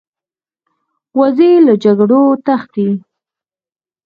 وزې له جګړو تښتي